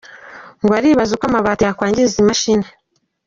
Ngo aribaza uko amabati yakwangiza imashini.